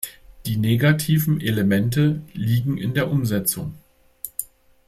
Die negativen Elemente liegen in der Umsetzung.